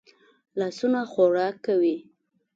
لاسونه خوراک کوي